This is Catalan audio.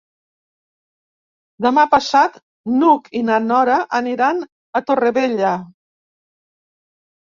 Demà passat n'Hug i na Nora aniran a Torrevella.